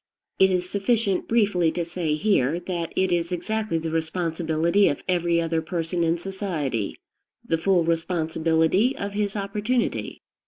It is sufficient briefly to say here, that it is exactly the responsibility of every other person in society, the full responsibility of his opportunity.